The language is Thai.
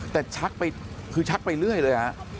แต่ชักไปคือชักไปเรื่อยเลยฮะ